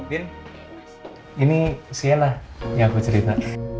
andin ini sienna yang aku cerita